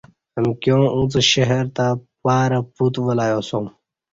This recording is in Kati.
امکیاں اݩڅ شہر تہ پارہ پُوت ولیاسُوم